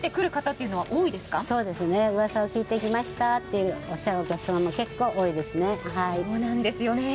そうですね、うわさを聞いて来ましたとおっしゃるお客様も結構多いですね。